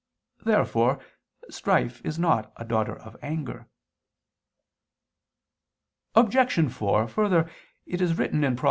Therefore strife is not a daughter of anger. Obj. 4: Further, it is written (Prov.